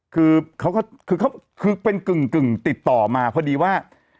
คือเขาก็คือเป็นกึ่งติดต่อมาพอดีว่า